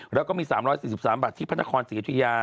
แล้วก็มี๓๔๓บาทที่พระนครศรีอยุธยา